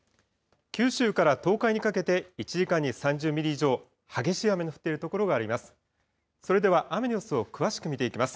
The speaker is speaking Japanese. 九州から東海にかけて１時間に３０ミリ以上、激しい雨の降っている所があります。